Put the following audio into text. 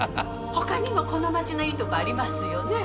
ほかにもこの町のいいとこありますよね？